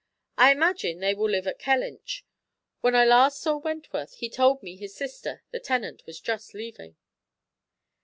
"I imagine they will live at Kellynch. When I last saw Wentworth he told me his sister, the tenant, was just leaving."